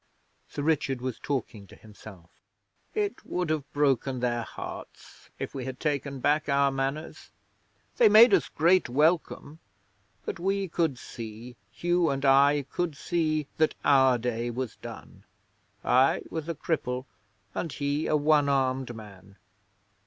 Sir Richard was talking to himself. 'It would have broken their hearts if we had taken back our Manors. They made us great welcome, but we could see Hugh and I could see that our day was done. I was a cripple and he a one armed man.